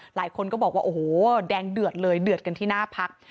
หลายคนก็บอกว่าโอ้โหแดงเดือดเลยเดือดกันที่หน้าพัก